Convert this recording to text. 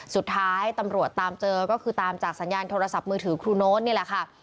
สุดท้ายตำรวจตามเจอก็คือตามจากสัญญาณโทรศัพท์มือถือครูโน๊ตนี่แหละค่ะ